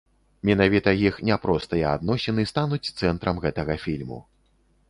Менавіта іх няпростыя адносіны стануць цэнтрам гэтага фільму.